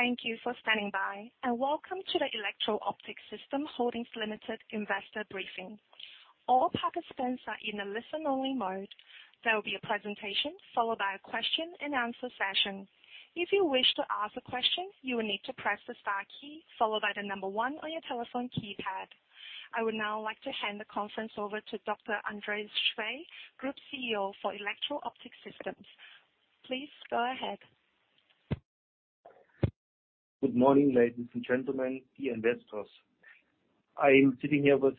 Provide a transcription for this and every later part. Thank you for standing by, and welcome to the Electro Optic Systems Holdings Limited Investor Briefing. All participants are in a listen-only mode. There will be a presentation followed by a question-and-answer session. If you wish to ask a question, you will need to press the star key followed by the number one on your telephone keypad. I would now like to hand the conference over to Dr. Andreas Schwer, Group CEO for Electro Optic Systems. Please go ahead. Good morning, ladies and gentlemen, dear investors. I am sitting here with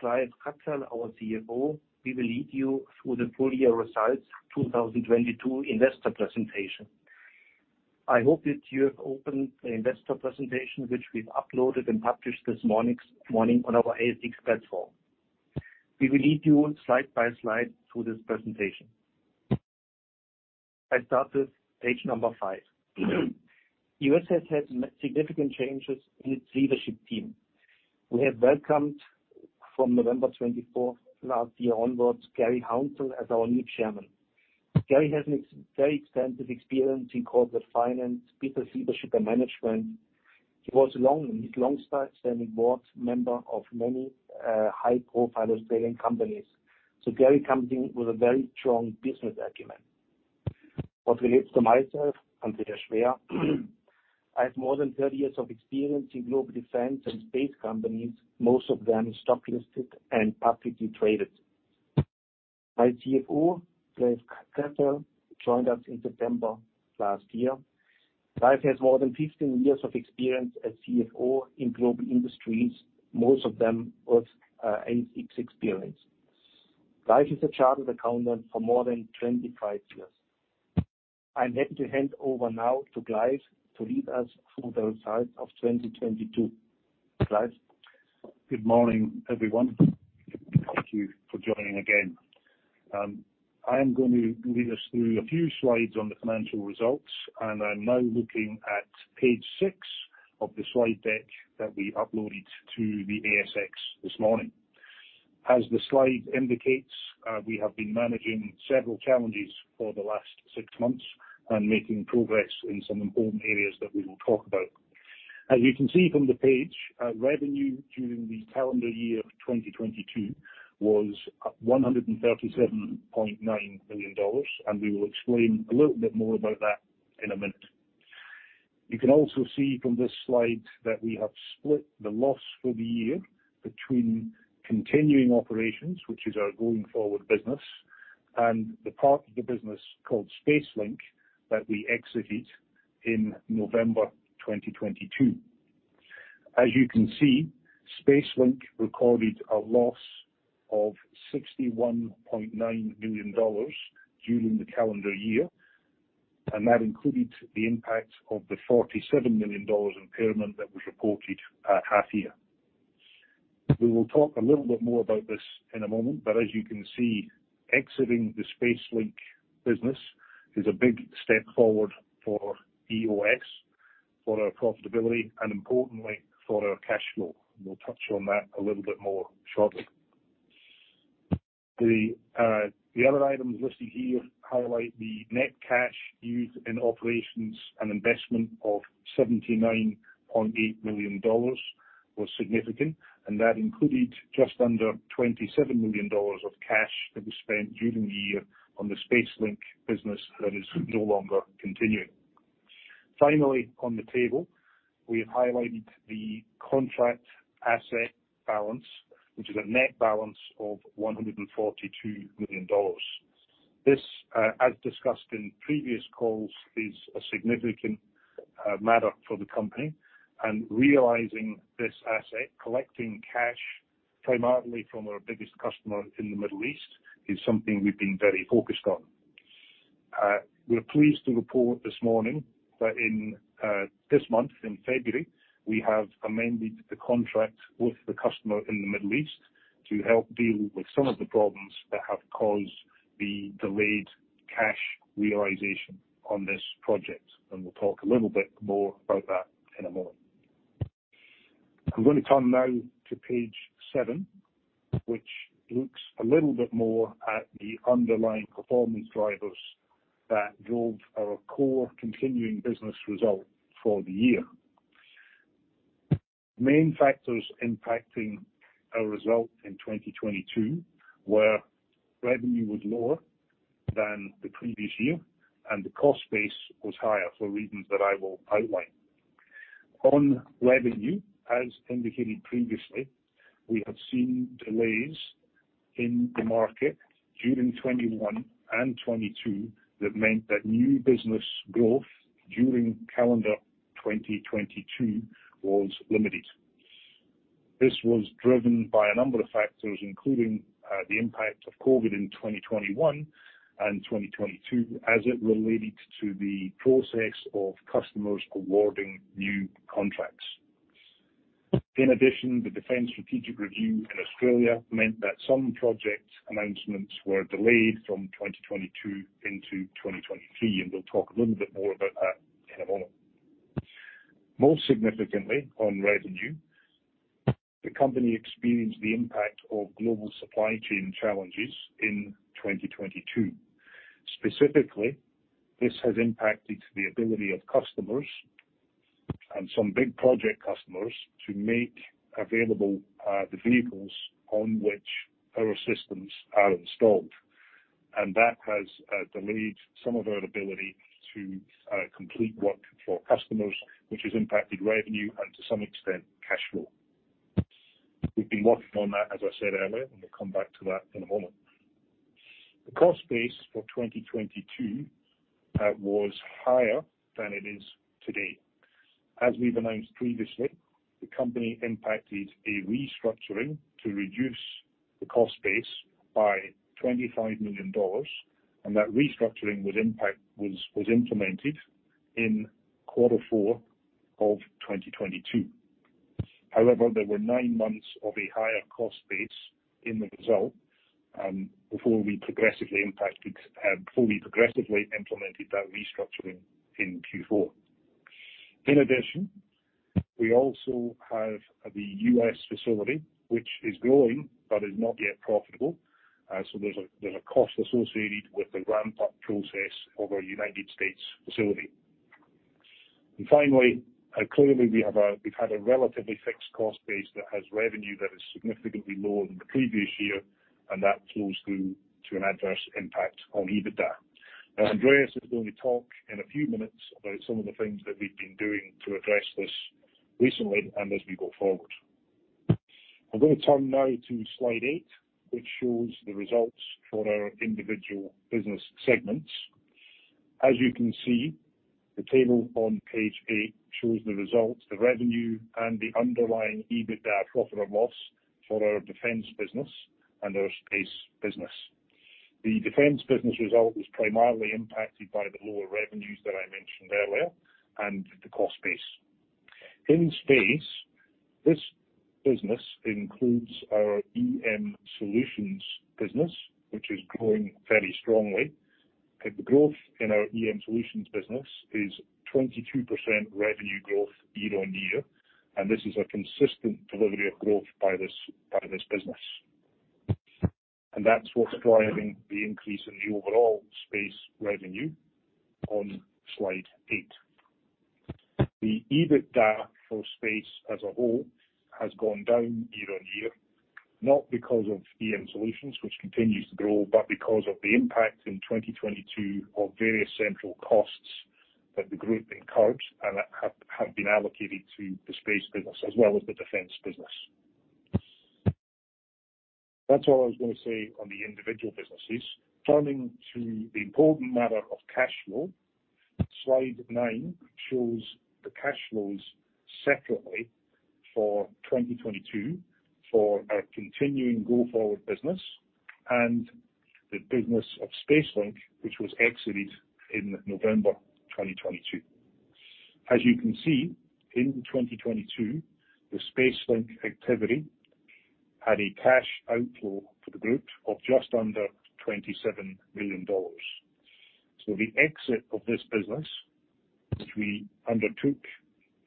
Clive Cuthell, our CFO. We will lead you through the full year results 2022 investor presentation. I hope that you have opened the investor presentation, which we've uploaded and published this morning on our ASX platform. We will lead you slide by slide through this presentation. I start with page number five. EOS has had significant changes in its leadership team. We have welcomed from November 24 last year onwards, Garry Hounsell as our new chairman. Garry has very extensive experience across the finance, business leadership and management. He was a long-standing board member of many high-profile Australian companies. Garry comes in with a very strong business acumen. What relates to myself, Andreas Schwer, I have more than 30 years of experience in global defense and space companies, most of them stock listed and publicly traded. My CFO, Clive Cuthell, joined us in September last year. Clive has more than 15 years of experience as CFO in global industries, most of them with ASX experience. Clive is a chartered accountant for more than 25 years. I'm happy to hand over now to Clive to lead us through the results of 2022. Clive. Good morning, everyone. Thank you for joining again. I am going to lead us through a few slides on the financial results, and I'm now looking at page six of the slide deck that we uploaded to the ASX this morning. As the slide indicates, we have been managing several challenges for the last six months and making progress in some important areas that we will talk about. As you can see from the page, revenue during the calendar year of 2022 was 137.9 million dollars and we will explain a little bit more about that in a minute. You can also see from this slide that we have split the loss for the year between continuing operations, which is our going-forward business, and the part of the business called SpaceLink that we exited in November 2022. As you can see, SpaceLink recorded a loss of 61.9 million dollars during the calendar year, and that included the impact of the 47 million dollars impairment that was reported at half year. We will talk a little bit more about this in a moment, but as you can see, exiting the SpaceLink business is a big step forward for EOS, for our profitability and importantly for our cash flow. We'll touch on that a little bit more shortly. The other items listed here highlight the net cash used in operations and investment of 79.8 million dollars was significant, and that included just under 27 million dollars of cash that was spent during the year on the SpaceLink business that is no longer continuing. Finally, on the table, we have highlighted the contract asset balance, which is a net balance of 142 million dollars. This, as discussed in previous calls, is a significant matter for the company. Realizing this asset, collecting cash primarily from our biggest customer in the Middle East, is something we've been very focused on. We're pleased to report this morning that in this month, in February, we have amended the contract with the customer in the Middle East to help deal with some of the problems that have caused the delayed cash realization on this project. We'll talk a little bit more about that in a moment. I'm gonna turn now to page seven, which looks a little bit more at the underlying performance drivers that drove our core continuing business result for the year. Main factors impacting our results in 2022 were revenue was lower than the previous year and the cost base was higher for reasons that I will outline. On revenue, as indicated previously, we have seen delays in the market during 2021 and 2022, that meant that new business growth during calendar 2022 was limited. This was driven by a number of factors, including the impact of COVID in 2021 and 2022 as it related to the process of customers awarding new contracts. In addition, the Defence Strategic Review in Australia meant that some project announcements were delayed from 2022 into 2023, and we'll talk a little bit more about that in a moment. Most significantly on revenue, the company experienced the impact of global supply chain challenges in 2022. Specifically, this has impacted the ability of customers and some big project customers to make available the vehicles on which our systems are installed. That has delayed some of our ability to complete work for customers, which has impacted revenue and to some extent, cash flow. We've been working on that, as I said earlier, and we'll come back to that in a moment. The cost base for 2022 was higher than it is today. As we've announced previously, the company implemented a restructuring to reduce the cost base by 25 million dollars, and that restructuring was implemented in Q4 2022. However, there were 9 months of a higher cost base in the result before we progressively implemented that restructuring in Q4. In addition, we also have the U.S. facility, which is growing but is not yet profitable. So there's a cost associated with the ramp-up process of our United States facility. Finally, clearly we've had a relatively fixed cost base that has revenue that is significantly lower than the previous year, and that flows through to an adverse impact on EBITDA. Now, Andreas is going to talk in a few minutes about some of the things that we've been doing to address this recently and as we go forward. I'm gonna turn now to slide eight, which shows the results for our individual business segments. As you can see, the table on page eight shows the results, the revenue, and the underlying EBITDA profit and loss for our defense business and our space business. The defense business result was primarily impacted by the lower revenues that I mentioned earlier and the cost base. In space, this business includes our EM Solutions business, which is growing very strongly. The growth in our EM Solutions business is 22% revenue growth year-on-year, and this is a consistent delivery of growth by this business. That's what's driving the increase in the overall space revenue on slide eight. The EBITDA for space as a whole has gone down year-on-year, not because of EM Solutions, which continues to grow, but because of the impact in 2022 of various central costs that the group incurred and that have been allocated to the space business as well as the defense business. That's all I was gonna say on the individual businesses. Turning to the important matter of cash flow. Slide nine shows the cash flows separately for 2022 for our continuing go-forward business and the business of SpaceLink, which was exited in November 2022. As you can see, in 2022, the SpaceLink activity had a cash outflow for the group of just under 27 million dollars. The exit of this business, which we undertook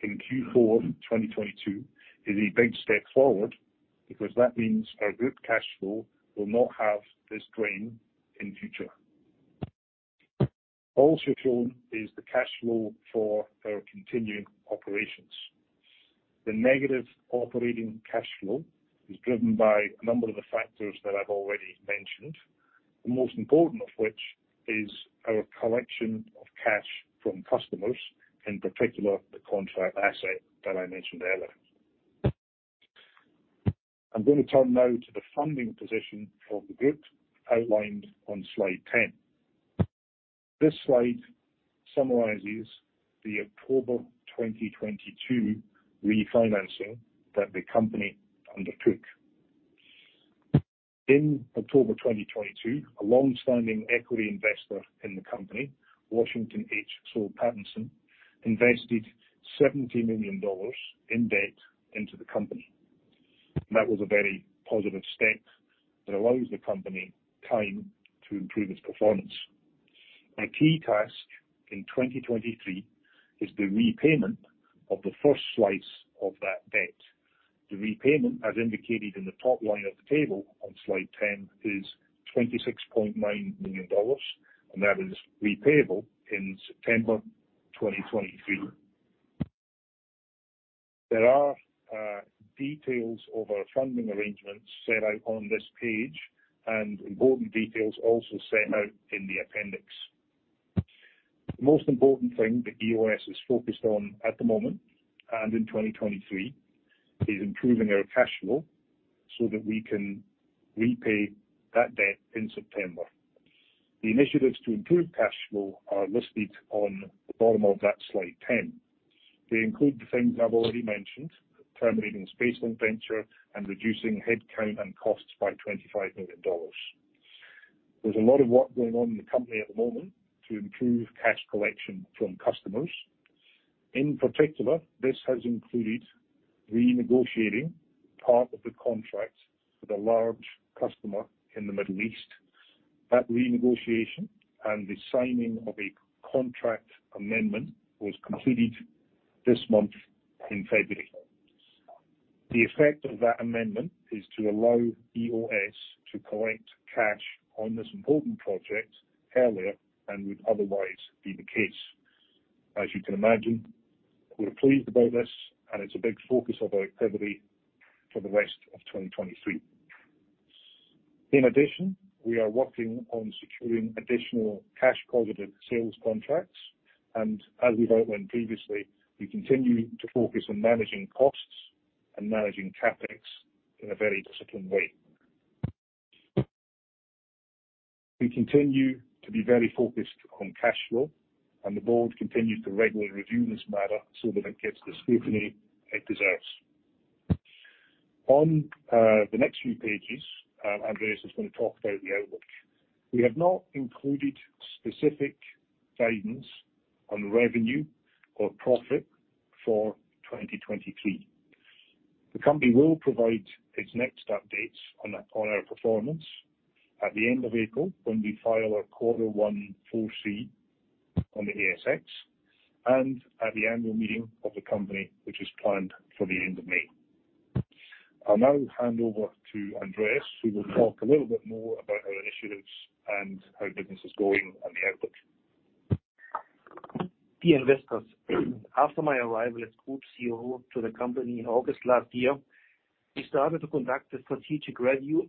in Q4 2022, is a big step forward because that means our group cash flow will not have this drain in future. Also shown is the cash flow for our continuing operations. The negative operating cash flow is driven by a number of the factors that I've already mentioned, the most important of which is our collection of cash from customers, in particular the contract asset that I mentioned earlier. I'm gonna turn now to the funding position for the group outlined on slide ten. This slide summarizes the October 2022 refinancing that the company undertook. In October 2022, a long-standing equity investor in the company, Washington H. Soul Pattinson, invested 70 million dollars in debt into the company. That was a very positive step that allows the company time to improve its performance. A key task in 2023 is the repayment of the first slice of that debt. The repayment, as indicated in the top line of the table on slide 10, is 26.9 million dollars, and that is repayable in September 2023. There are details of our funding arrangements set out on this page, and important details also set out in the appendix. The most important thing that EOS is focused on at the moment and in 2023 is improving our cash flow so that we can repay that debt in September. The initiatives to improve cash flow are listed on the bottom of that slide 10. They include the things I've already mentioned, terminating SpaceLink venture and reducing head count and costs by 25 million dollars. There's a lot of work going on in the company at the moment to improve cash collection from customers. In particular, this has included renegotiating part of the contract with a large customer in the Middle East. That renegotiation and the signing of a contract amendment was completed this month in February. The effect of that amendment is to allow EOS to collect cash on this important project earlier than would otherwise be the case. As you can imagine, we're pleased about this and it's a big focus of our activity for the rest of 2023. In addition, we are working on securing additional cash positive sales contracts, and as we've outlined previously, we continue to focus on managing costs and managing CapEx in a very disciplined way. We continue to be very focused on cash flow, and the board continues to regularly review this matter so that it gets the scrutiny it deserves. On the next few pages, Andreas is gonna talk about the outlook. We have not included specific guidance on revenue or profit for 2023. The company will provide its next updates on our performance at the end of April when we file our quarter one 4C on the ASX and at the annual meeting of the company, which is planned for the end of May. I'll now hand over to Andreas who will talk a little bit more about our initiatives and how business is going and the outlook. Dear investors, after my arrival as Group CEO to the company in August last year, we started to conduct a strategic review,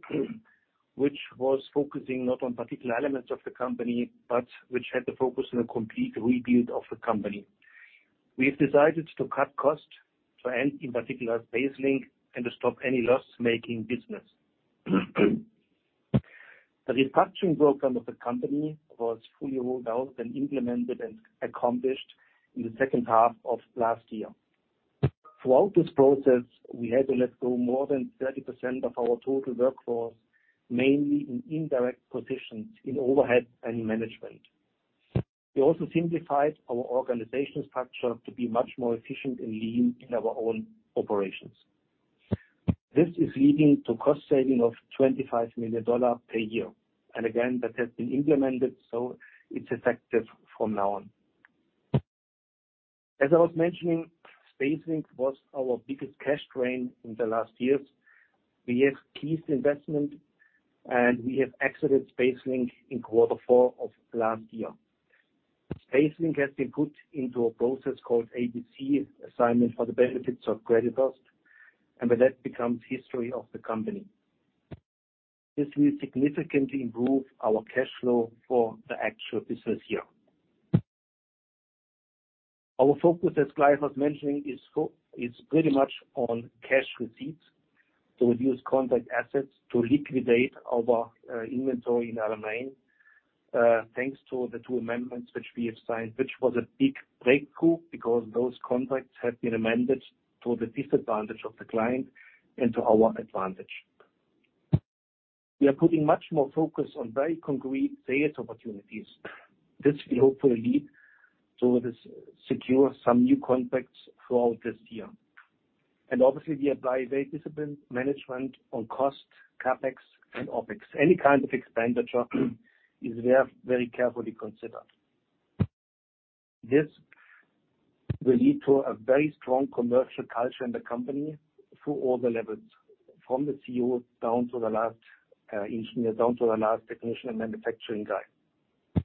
which was focusing not on particular elements of the company, but which had the focus on a complete rebuild of the company. We have decided to cut costs, so and in particular, SpaceLink, and to stop any loss-making business. The restructuring program of the company was fully rolled out and implemented and accomplished in the second half of last year. Throughout this process, we had to let go more than 30% of our total workforce, mainly in indirect positions in overhead and management. We also simplified our organizational structure to be much more efficient and lean in our own operations. This is leading to cost saving of 25 million dollars per year, and again, that has been implemented, so it's effective from now on. As I was mentioning, SpaceLink was our biggest cash drain in the last years. We have ceased investment, and we have exited SpaceLink in quarter four of last year. SpaceLink has been put into a process called ABC assignment for the benefits of creditors, and with that becomes history of the company. This will significantly improve our cash flow for the actual business year. Our focus, as Clive was mentioning, is pretty much on cash receipts to reduce contract assets, to liquidate our inventory in our main thanks to the two amendments which we have signed, which was a big breakthrough because those contracts have been amended to the disadvantage of the client and to our advantage. We are putting much more focus on very concrete sales opportunities. This will hopefully lead to us secure some new contracts throughout this year. Obviously, we apply very disciplined management on cost, CapEx and OpEx. Any kind of expenditure is very, very carefully considered. This will lead to a very strong commercial culture in the company through all the levels, from the CEO down to the last engineer, down to the last technician and manufacturing guy.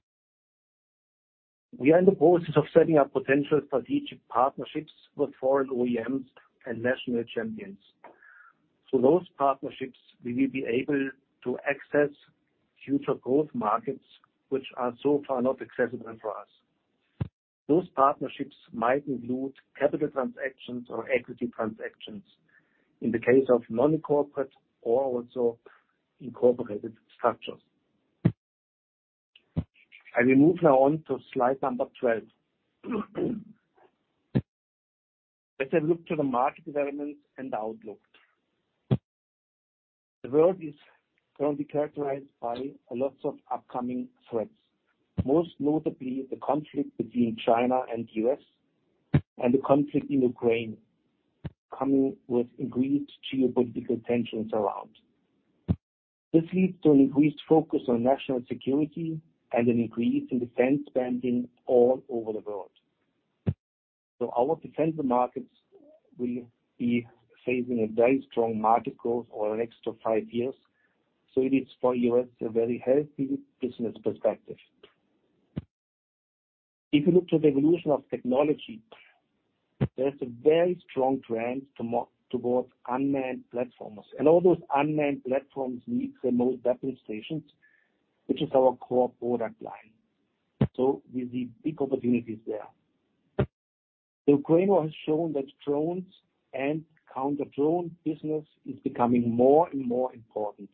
We are in the process of setting up potential strategic partnerships with foreign OEMs and national champions. Through those partnerships, we will be able to access future growth markets which are so far not accessible for us. Those partnerships might include capital transactions or equity transactions in the case of non-corporate or also incorporated structures. I will move now on to slide number 12. Let's have a look to the market development and outlook. The world is currently characterized by a lot of upcoming threats, most notably the conflict between China and U.S. and the conflict in Ukraine coming with increased geopolitical tensions around. This leads to an increased focus on national security and an increase in defense spending all over the world. Our defense markets will be facing a very strong market growth over the next two to five years, so it is for us a very healthy business perspective. If you look to the evolution of technology, there's a very strong trend towards unmanned platforms, and all those unmanned platforms need remote weapon stations, which is our core product line. We see big opportunities there. The Ukraine war has shown that drones and counter-drone business is becoming more and more important.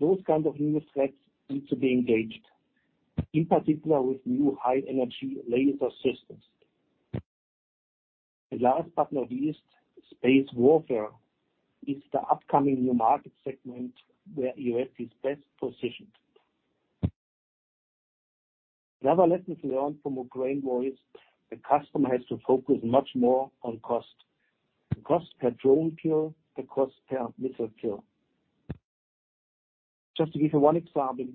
Those kind of new threats need to be engaged, in particular with new high-energy laser systems. Last but not least, space warfare is the upcoming new market segment where EOS is best positioned. Another lesson learned from Ukraine war is the customer has to focus much more on cost. The cost per drone kill, the cost per missile kill. Just to give you one example,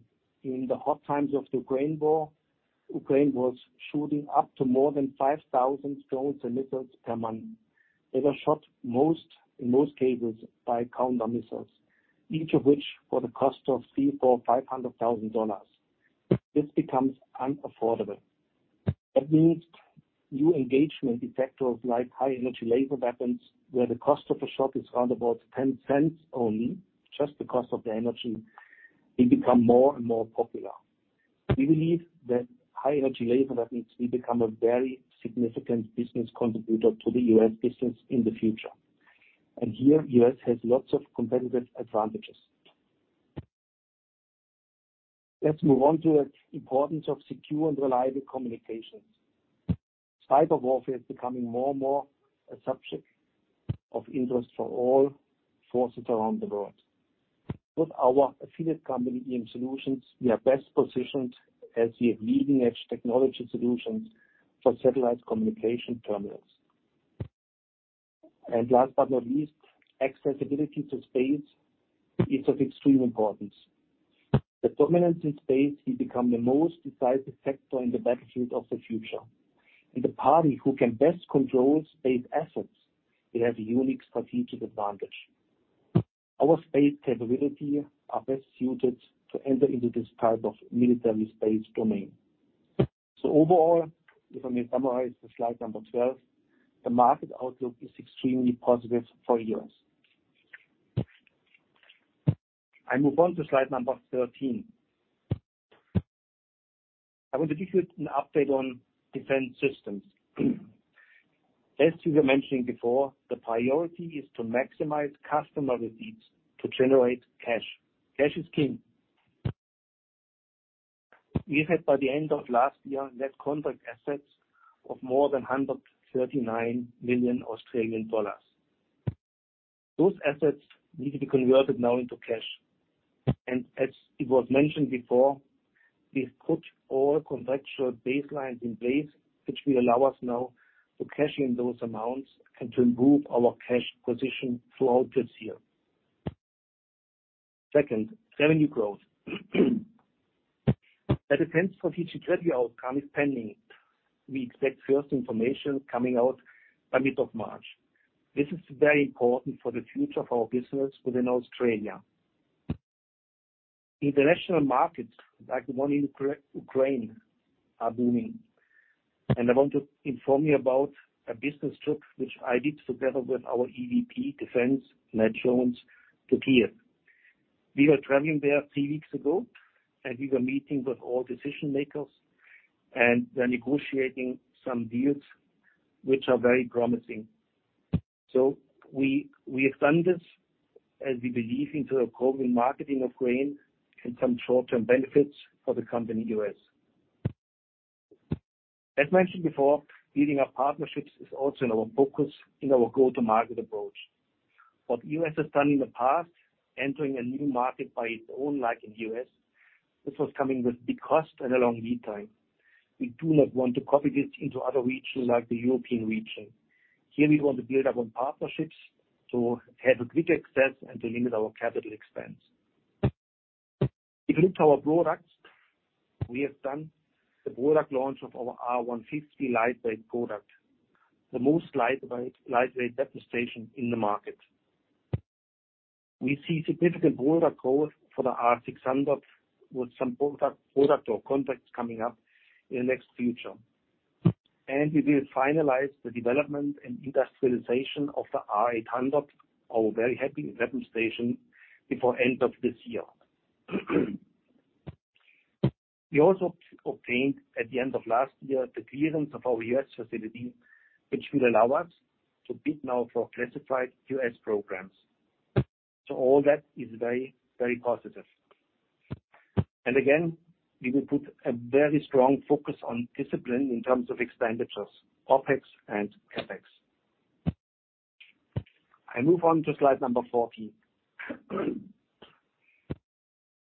in the hard times of the Ukraine war, Ukraine was shooting up to more than 5,000 drones and missiles per month. They were shot most, in most cases by counter missiles, each of which for the cost of 300,000, 400,000, 500,000 dollars. This becomes unaffordable. That means new engagement effectors like high energy laser weapons, where the cost of a shot is around about 10 cents only, just the cost of the energy, they become more and more popular. We believe that high energy laser weapons will become a very significant business contributor to the U.S. business in the future. Here, U.S. has lots of competitive advantages. Let's move on to the importance of secure and reliable communications. Cyber warfare is becoming more and more a subject of interest for all forces around the world. With our affiliate company, EM Solutions, we are best positioned as the leading-edge technology solutions for satellite communication terminals. Last but not least, accessibility to space is of extreme importance. The dominance in space will become the most decisive factor in the battlefield of the future. The party who can best control space assets will have a unique strategic advantage. Our space capability are best suited to enter into this type of military space domain. Overall, if I may summarize the slide 12, the market outlook is extremely positive for years. I move on to slide 13. I want to give you an update on Defense Systems. As we were mentioning before, the priority is to maximize customer receipts to generate cash. Cash is king. We had, by the end of last year, net contract assets of more than 139 million Australian dollars. Those assets need to be converted now into cash. As it was mentioned before, we've put all contractual baselines in place, which will allow us now to cash in those amounts and to improve our cash position throughout this year. Second, revenue growth. The Defence Future outcome is pending. We expect first information coming out by mid-March. This is very important for the future of our business within Australia. International markets, like the one in Ukraine, are booming. I want to inform you about a business trip which I did together with our EVP, Defense, Matt Jones, to Kyiv. We were traveling there three weeks ago, and we were meeting with all decision makers, and we're negotiating some deals which are very promising. We extend this, as we believe, into the growing market in Ukraine and some short-term benefits for the company, EOS. As mentioned before, building up partnerships is also in our focus in our go-to-market approach. What EOS has done in the past, entering a new market on its own, like in the U.S., this was coming with big costs and a long lead time. We do not want to copy this into other regions like the European region. Here, we want to build up on partnerships to have quick access and to limit our capital expense. We built our products. We have done the product launch of our R150 lightweight product, the most lightweight weapon station in the market. We see significant product growth for the R600, with some product or contracts coming up in the near future. We will finalize the development and industrialization of the R800, our very heavy weapon station before end of this year. We also obtained at the end of last year the clearance of our U.S. facility, which will allow us to bid now for classified U.S. programs. All that is very, very positive. We will put a very strong focus on discipline in terms of expenditures, OpEx and CapEx. I move on to slide number 14.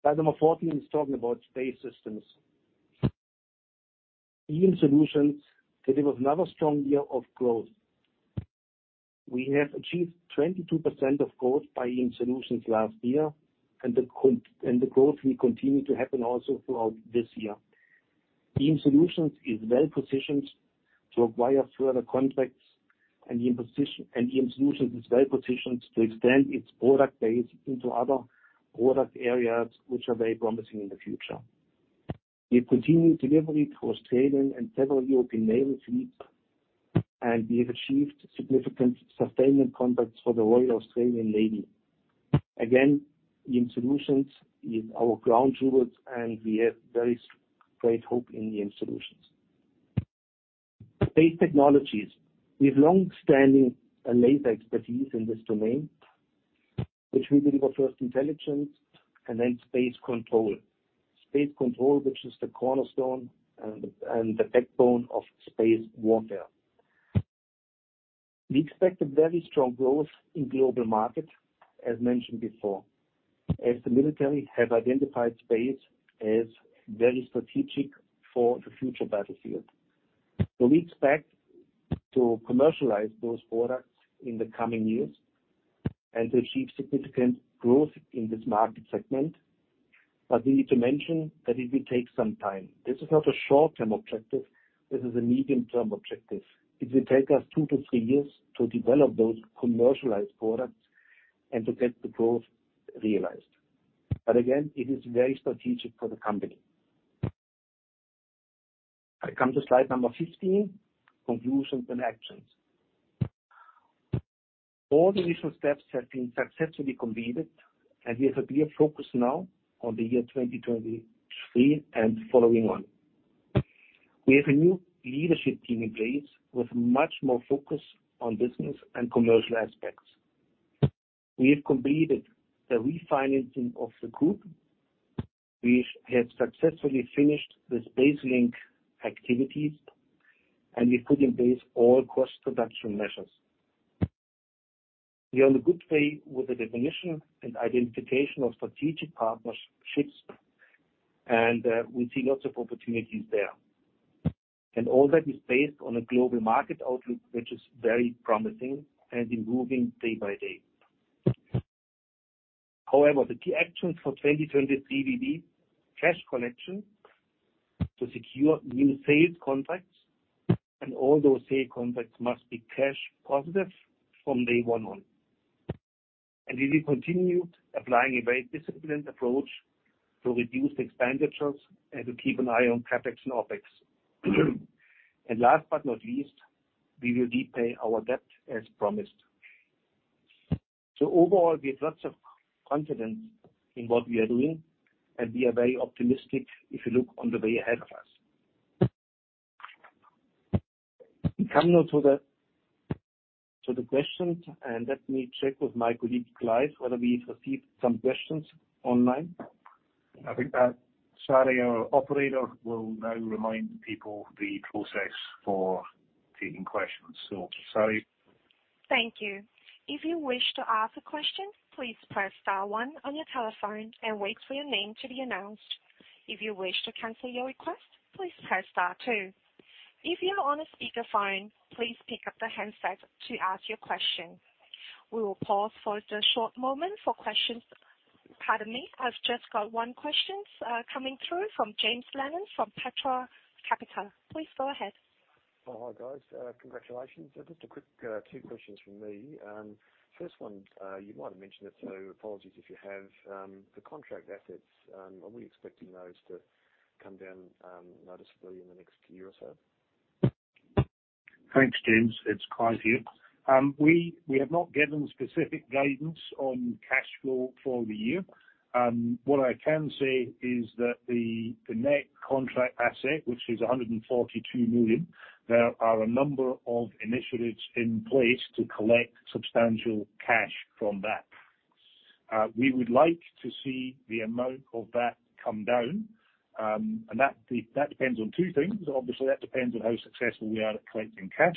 Slide number 14 is talking about space systems. EM Solutions delivered another strong year of growth. We have achieved 22% growth by EM Solutions last year, and the growth will continue to happen also throughout this year. EM Solutions is well-positioned to acquire further contracts, and EM Solutions is well-positioned to extend its product base into other product areas, which are very promising in the future. We have continued delivery to Australian and several European naval fleets, and we have achieved significant sustainment contracts for the Royal Australian Navy. Again, EM Solutions is our crown jewels, and we have very great hope in EM Solutions. Space technologies. We have longstanding laser expertise in this domain, which we deliver for intelligence and then space control. Space control, which is the cornerstone and the backbone of space warfare. We expect a very strong growth in global market, as mentioned before, as the military have identified space as very strategic for the future battlefield. We expect to commercialize those products in the coming years and achieve significant growth in this market segment. We need to mention that it will take some time. This is not a short-term objective, this is a medium-term objective. It will take us two to three years to develop those commercialized products and to get the growth realized. It is very strategic for the company. I come to slide number 15: Conclusions and Actions. All the initial steps have been successfully completed, and we have a clear focus now on the year 2023 and following on. We have a new leadership team in place with much more focus on business and commercial aspects. We have completed the refinancing of the group. We have successfully finished the SpaceLink activities, and we put in place all cost reduction measures. We are on a good pace with the definition and identification of strategic partnerships, and we see lots of opportunities there. All that is based on a global market outlook, which is very promising and improving day by day. However, the key actions for 2023 will be cash collection to secure new sales contracts, and all those sale contracts must be cash positive from day one on. We will continue applying a very disciplined approach to reduce expenditures and to keep an eye on CapEx and OpEx. Last but not least, we will repay our debt as promised. Overall, we have lots of confidence in what we are doing, and we are very optimistic if you look on the way ahead of us. We come now to the questions, and let me check with my colleague, Clive, whether we received some questions online. I think that Sally, our operator, will now remind people the process for taking questions. Sally? Pardon me, I've just got one question coming through from James Lennon from Petra Capital. Please go ahead. Oh, hi, guys. Congratulations. Just a quick two questions from me. First one, you might have mentioned it, so apologies if you have. The contract assets, are we expecting those to come down noticeably in the next year or so? Thanks, James. It's Clive here. We have not given specific guidance on cash flow for the year. What I can say is that the net contract asset, which is 142 million. There are a number of initiatives in place to collect substantial cash from that. We would like to see the amount of that come down, and that depends on two things. Obviously, that depends on how successful we are at collecting cash,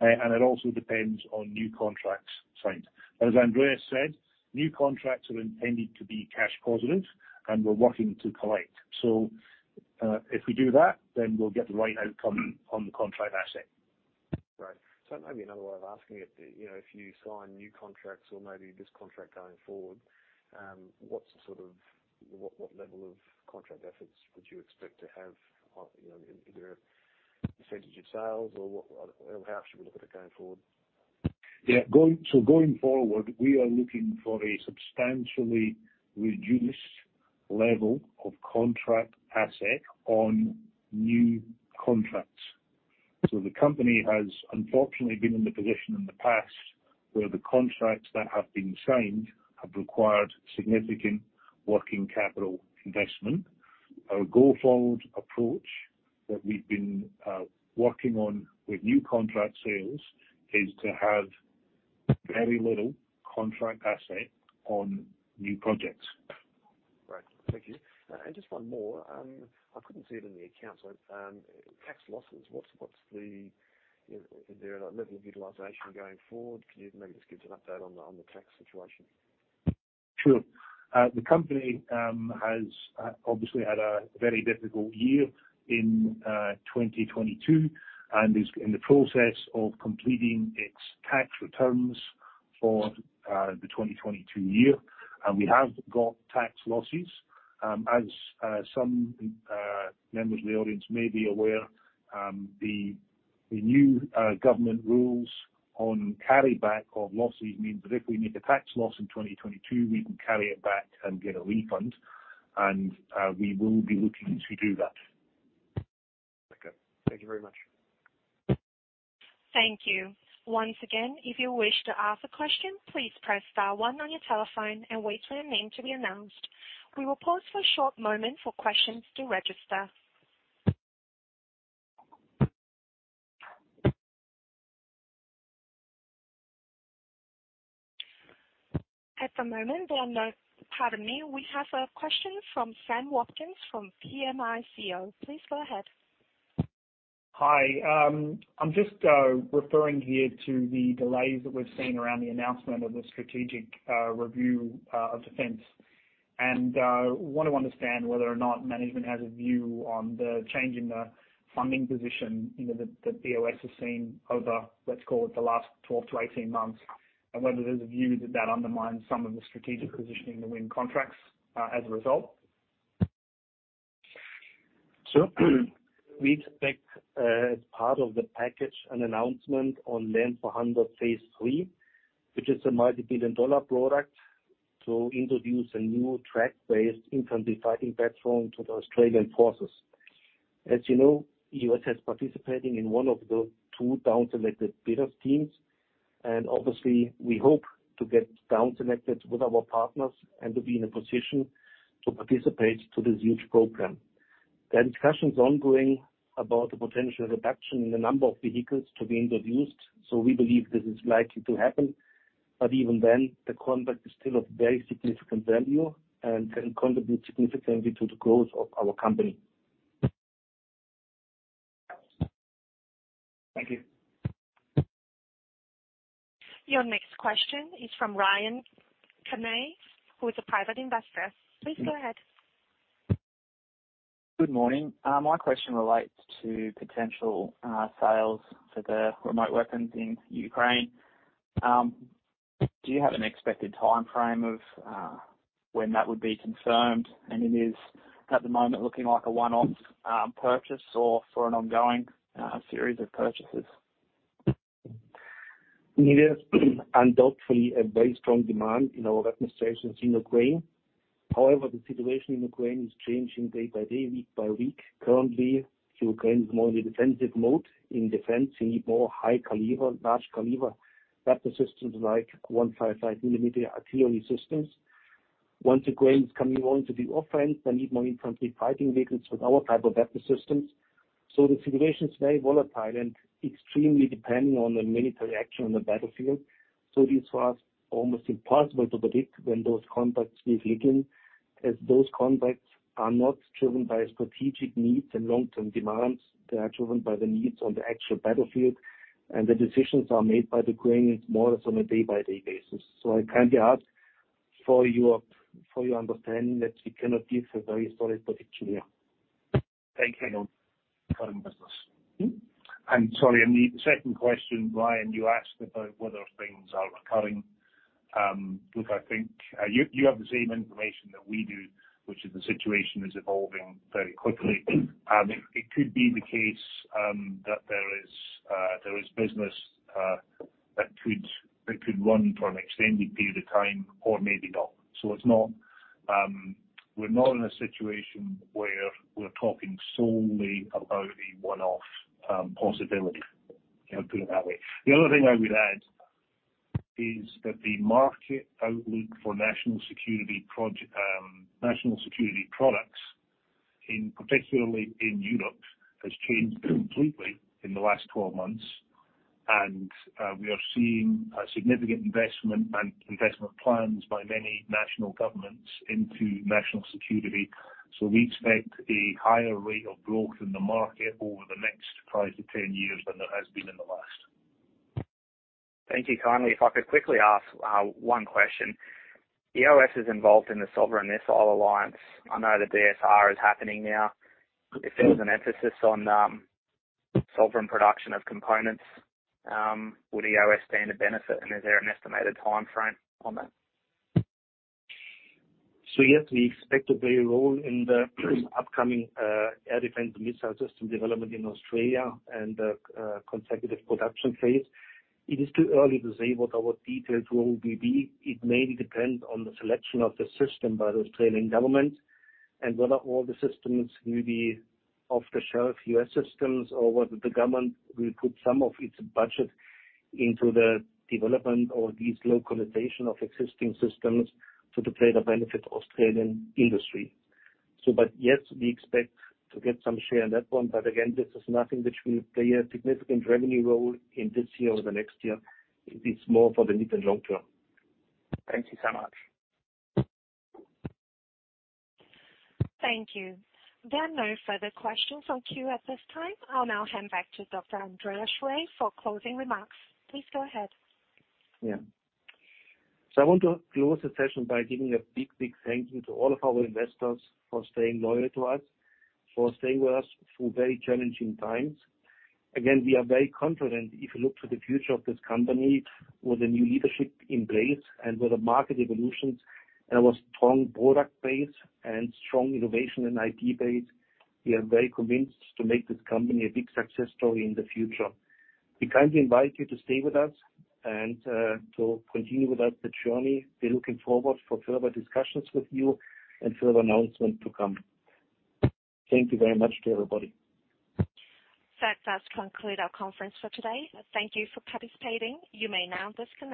and it also depends on new contracts signed. As Andreas said, new contracts are intended to be cash positive, and we're working to collect. If we do that, then we'll get the right outcome on the contract asset. Right. Maybe another way of asking it, you know, if you sign new contracts or maybe this contract going forward, what's the sort of level of contract efforts would you expect to have? You know, is there a percentage of sales or what. How should we look at it going forward? Going forward, we are looking for a substantially reduced level of contract asset on new contracts. The company has unfortunately been in the position in the past where the contracts that have been signed have required significant working capital investment. Our go-forward approach that we've been working on with new contract sales is to have very little contract asset on new projects. Right. Thank you. Just one more. I couldn't see it in the accounts. Tax losses, is there a level of utilization going forward? Can you maybe just give us an update on the tax situation? Sure. The company has obviously had a very difficult year in 2022 and is in the process of completing its tax returns for the 2022 year. We have got tax losses. As some members of the audience may be aware, the new government rules on carryback of losses means that if we make a tax loss in 2022, we can carry it back and get a refund. We will be looking to do that. Okay. Thank you very much. Thank you. Once again, if you wish to ask a question, please press star one on your telephone and wait for your name to be announced. We will pause for a short moment for questions to register. Pardon me. We have a question from Sam Watkins from PIMCO. Please go ahead. Hi. I'm just referring here to the delays that we've seen around the announcement of the Defence Strategic Review. I want to understand whether or not management has a view on the change in the funding position, you know, that EOS has seen over, let's call it, the last 12-18 months. Whether there's a view that that undermines some of the strategic positioning to win contracts as a result. Sure. We expect, as part of the package, an announcement on LAND 400 Phase 3, which is a multi-billion-dollar product to introduce a new tracked-based infantry fighting platform to the Australian forces. As you know, EOS has participating in one of the two downselected bidder teams, and obviously, we hope to get downselected with our partners and to be in a position to participate in this huge program. The discussion's ongoing about the potential reduction in the number of vehicles to be introduced, so we believe this is likely to happen. Even then, the contract is still of very significant value and can contribute significantly to the growth of our company. Thank you. Your next question is from Ryan Canay, who is a private investor. Please go ahead. Good morning. My question relates to potential sales for the remote weapons in Ukraine. Do you have an expected timeframe of when that would be confirmed? It is, at the moment, looking like a one-off purchase or for an ongoing series of purchases? It is undoubtedly a very strong demand for our armaments in Ukraine. However, the situation in Ukraine is changing day by day, week by week. Currently, Ukraine is more in the defensive mode. In defense, you need more high-caliber, large-caliber weapon systems, like 155-millimeter artillery systems. Once Ukraine is coming on to the offense, they need more infantry fighting vehicles with our type of weapon systems. The situation is very volatile and extremely dependent on the military action on the battlefield. This was almost impossible to predict when those contracts will begin, as those contracts are not driven by strategic needs and long-term demands. They are driven by the needs on the actual battlefield, and the decisions are made by the Ukrainians more or less on a day-by-day basis. I kindly ask for your understanding that we cannot give a very solid prediction here. Thank you. Current business. Sorry, the second question, Ryan, you asked about whether things are recurring. Look, I think you have the same information that we do, which is the situation is evolving very quickly. It could be the case that there is business that could run for an extended period of time or maybe not. It's not. We're not in a situation where we're talking solely about a one-off possibility. Can I put it that way? The other thing I would add is that the market outlook for national security products, particularly in Europe, has changed completely in the last 12 months. We are seeing a significant investment and investment plans by many national governments into national security. We expect a higher rate of growth in the market over the next 5-10 years than there has been in the last. Thank you. Kindly, if I could quickly ask one question. EOS is involved in the Sovereign Missile Alliance. I know the DSR is happening now. If there was an emphasis on sovereign production of components, would EOS stand to benefit? And is there an estimated timeframe on that? Yes, we expect a big role in the upcoming air defense missile system development in Australia and the consecutive production phase. It is too early to say what our detailed role will be. It may depend on the selection of the system by the Australian government and whether all the systems will be off-the-shelf EOS systems or whether the government will put some of its budget into the development or the localization of existing systems to the greater benefit of Australian industry. Yes, we expect to get some share in that one, but again, this is nothing which will play a significant revenue role in this year or the next year. It's more for the mid and long term. Thank you so much. Thank you. There are no further questions on queue at this time. I'll now hand back to Dr. Andreas Schwer for closing remarks. Please go ahead. Yeah. I want to close the session by giving a big, big thank you to all of our investors for staying loyal to us, for staying with us through very challenging times. Again, we are very confident if you look to the future of this company with the new leadership in place and with the market evolutions and our strong product base and strong innovation and IT base, we are very convinced to make this company a big success story in the future. We kindly invite you to stay with us and to continue with us the journey. We're looking forward for further discussions with you and further announcement to come. Thank you very much to everybody. That concludes our conference for today. Thank you for participating. You may now disconnect.